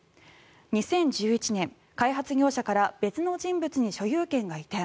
２０１１年、開発業者から別の人物に所有権が移転。